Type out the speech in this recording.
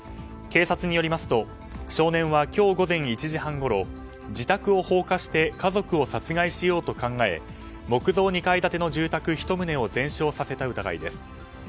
警察によりますと少年は今日午前１時半ごろ自宅を放火して家族を殺害しようと考え木造２階建ての住宅１棟を全焼させた疑いです。